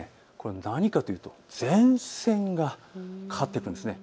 何かというと前線がかかってくるんです。